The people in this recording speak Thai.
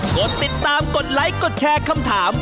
กดติดตามกดไลค์กดแชร์คำถาม